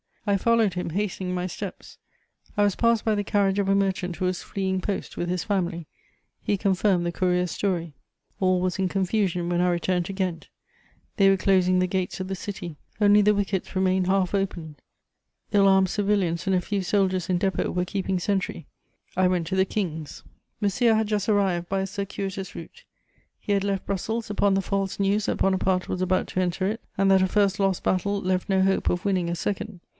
I followed him, hastening my steps: I was passed by the carriage of a merchant who was fleeing post with his family; he confirmed the courier's story. [Sidenote: Confusion at Ghent.] All was in confusion when I returned to Ghent: they were closing the gates of the city; only the wickets remained half open; ill armed civilians and a few soldiers in depot were keeping sentry. I went to the King's. Monsieur had just arrived by a circuitous route: he had left Brussels upon the false news that Bonaparte was about to enter it and that a first lost battle left no hope of winning a second.